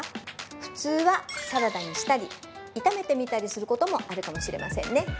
普通は、サラダにしたり炒めてみたりすることもあるかもしれませんね。